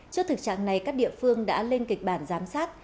trước thực trạng này các địa phương đã lên kịch bản giám sát